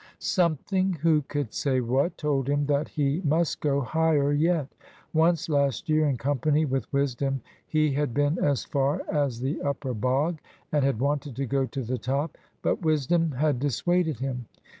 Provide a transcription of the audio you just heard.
Something who could say what? told him that he must go higher yet. Once last year, in company with Wisdom, he had been as far as the upper bog, and had wanted to go to the top. But Wisdom had dissuaded him.